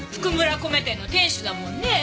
米店の店主だもんね。